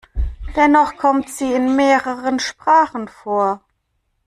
Dennoch kommt sie in mehreren Sprachen vor.